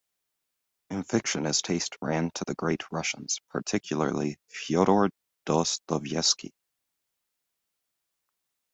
In fiction his taste ran to the great Russians, particularly Fyodor Dostoyevsky.